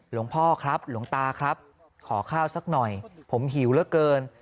หลวงพ่อครับหลวงตาครับขอข้าวสักหน่อยผมหิวเหลือเกิน